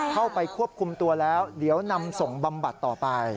เข้าไปควบคุมตัวแล้วเดี๋ยวนำส่งบำบัดต่อไป